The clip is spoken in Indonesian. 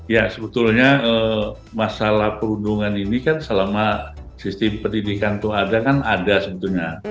ya sebetulnya masalah perundungan ini kan selama sistem pendidikan itu ada kan ada sebetulnya